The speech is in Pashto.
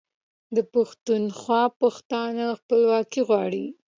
د پښتونخوا پښتانه خپلواکي غواړي.